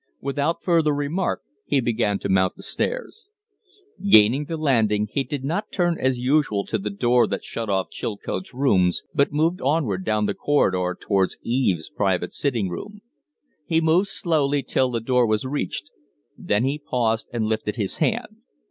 Without further remark he began to mount the stairs. Gaining the landing, he did not turn as usual to the door that shut off Chilcote's rooms, but moved onward down the corridor towards Eve's private sitting room. He moved slowly till the door was reached; then he, paused and lifted his hand.